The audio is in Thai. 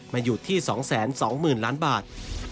มาอยู่ที่๒๒๐๐๐ล้านบาท